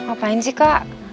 apaan sih kak